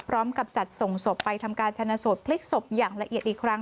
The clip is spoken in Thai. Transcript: พร้อมกับจัดส่งศพไปทำการชนะสูตรพลิกศพอย่างละเอียดอีกครั้ง